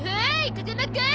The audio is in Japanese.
風間くん。